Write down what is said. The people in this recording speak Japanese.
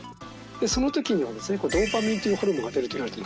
その時にはですねドーパミンというホルモンが出るといわれています。